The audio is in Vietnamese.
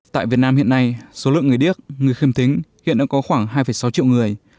tại việt nam hiện nay số lượng người điếc người khiêm thính hiện đang có khoảng hai sáu triệu người